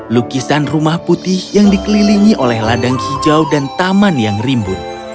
lukisan rumah putih yang dikelilingi oleh ladang hijau dan taman yang rimbun